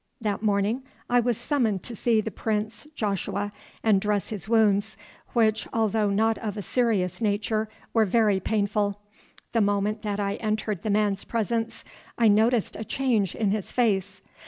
That morning I was summoned to see the Prince Joshua and dress his wounds, which, although not of a serious nature, were very painful. The moment that I entered the man's presence I noticed a change in his face.